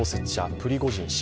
プリゴジン氏。